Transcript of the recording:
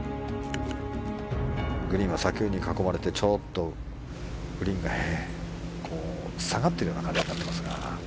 グリーンは砂丘に囲まれてちょっとグリーンが下がっているような感じになっています。